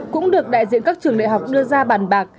cũng được đại diện các trường đại học đưa ra bàn bạc